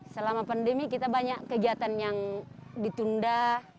selama pandemi kita banyak kegiatan yang ditunda